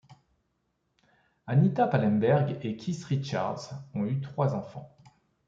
Anita Pallenberg et Keith Richards ont eu trois enfants.